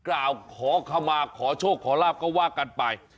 กล่าวขอขมาขอโชคขอลาบก็ว่ากันไป